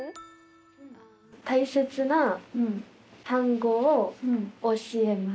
大切な単語を教えます。